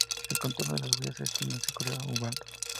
El contorno de las huellas se estima circular u ovalado.